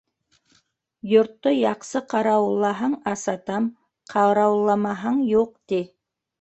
Йортто яҡсы ҡарауыллаһаң, асатам, ҡарауылламаһаң - юҡ, ти!